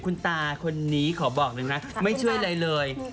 คุณตาคนนี้ขอบอกเลยนะไม่ช่วยอะไรเลย